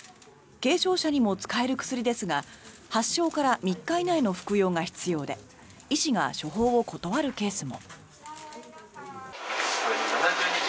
軽症者にも使える薬ですが発症から３日以内の服用が必要で医師が処方を断るケースも。